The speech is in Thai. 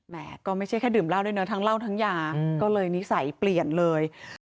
ก็ไม่ใช่แค่ดื่มเหล้าด้วยนะทั้งเหล้าทั้งยาก็เลยนิสัยเปลี่ยนเลย